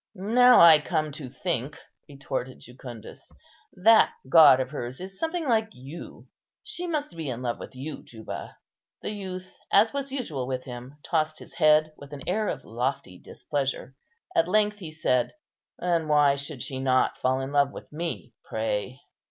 "Now I come to think," retorted Jucundus, "that god of hers is something like you. She must be in love with you, Juba." The youth, as was usual with him, tossed his head with an air of lofty displeasure; at length he said, "And why should she not fall in love with me, pray?"